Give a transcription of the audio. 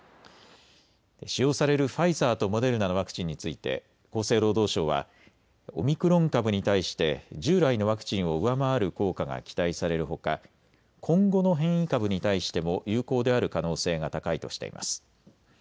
使用されるファイザーとモデルナのワクチンについて、厚生労働省はオミクロン株に対して従来のワクチンを上回る効果が期待されるほか今後の変異株に対しても有効である可能性が高いとしています。